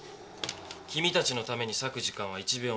君たちのために割く時間は１秒もない。